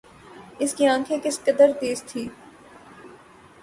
اس کی آنکھیں کس قدر تیز تھیں